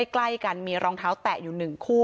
ใกล้กันมีรองเท้าแตะอยู่๑คู่